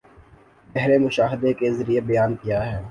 گہرے مشاہدے کے ذریعے بیان کیا ہے